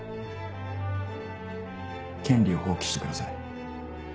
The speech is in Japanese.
権利を放棄してください。